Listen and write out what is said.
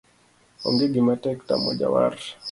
Onge gimatek tamo jawar.